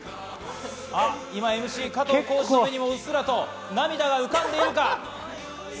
今、ＭＣ加藤浩次の目にもうっすらと涙が浮かんでいるか？